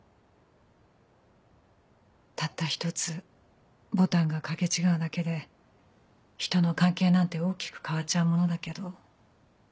たった一つボタンがかけ違うだけで人の関係なんて大きく変わっちゃうものだけど。